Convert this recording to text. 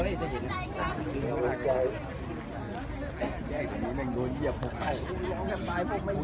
มีผู้ที่ได้รับบาดเจ็บและถูกนำตัวส่งโรงพยาบาลเป็นผู้หญิงวัยกลางคน